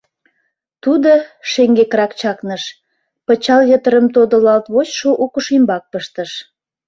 Тудо шеҥгекрак чакныш, пычал йытырым тодылалт вочшо укш ӱмбак пыштыш.